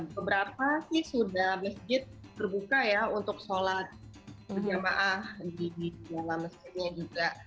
beberapa sih sudah masjid terbuka ya untuk sholat berjamaah haji di segala masjidnya juga